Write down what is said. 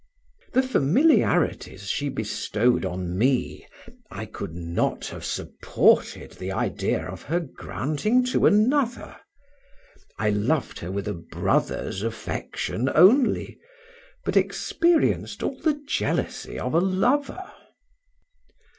The familiarities she bestowed on me I could not have supported the idea of her granting to another; I loved her with a brother's affection only, but experienced all the jealousy of a lover.